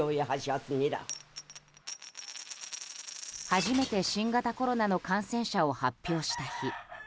初めて新型コロナの感染者を発表した日